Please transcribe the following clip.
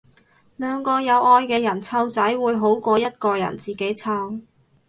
兩個有愛嘅人湊仔會好過一個人自己湊